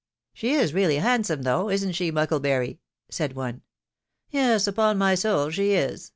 " She is really handsome, though isn't she, Muckle bury ?" said one. " Yes, upon my soul she is!"